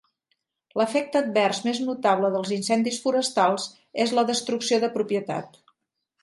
L'efecte advers més notable dels incendis forestals és la destrucció de propietat.